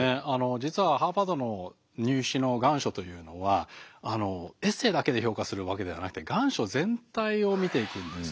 実はハーバードの入試の願書というのはエッセーだけで評価するわけではなくて願書全体を見ていくんですよね。